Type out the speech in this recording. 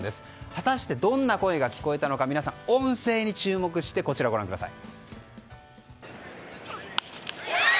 果たしてどんな声が聞こえたのか皆さん音声に注目してこちらご覧ください。